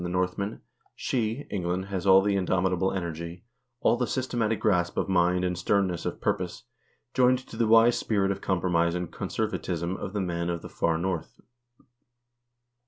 THE VIKING PERIOD 81 Northmen, she (England) has all the indomitable energy, all the systematic grasp of mind and sternness of purpose joined to the wise spirit of compromise and conservatism of the men of the far North.